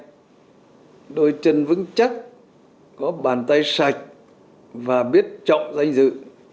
đầu lạnh đôi chân vững chắc có bàn tay sạch và biết trọng danh dự